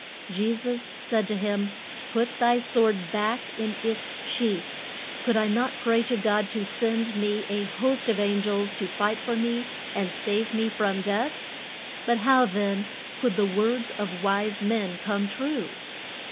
Je sus said to him, Put thy sword back in its sheath. Could I not pray to God to send me a host of an gels to fight for me and save me from death? But how then could the words of wise men come true?